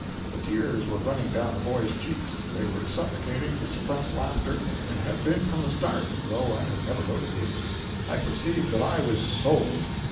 The tears were running down the boys' cheeks—they were suffocating with suppressed laughter—and had been from the start, though I had never noticed it. I perceived that I was "sold."